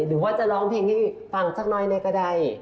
หรือว่าจะร้องเพลงให้ฟังสักน้อยเนี่ยก็ได้